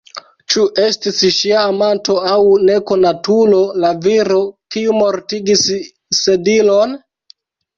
Ĉu estis ŝia amanto aŭ nekonatulo la viro, kiu mortigis Sedilon?